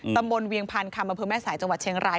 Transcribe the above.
ตำบลเวียงพันธ์คำอเมฝแม่สายจังหวัดเชียงราย